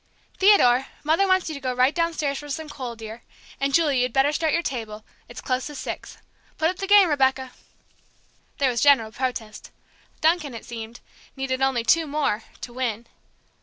Theodore, Mother wants you to go right downstairs for some coal, dear. And, Julie, you'd better start your table; it's close to six. Put up the game, Rebecca!" There was general protest. Duncan, it seemed, needed only "two more" to win.